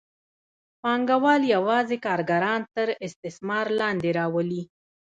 پانګوال یوازې کارګران تر استثمار لاندې راولي.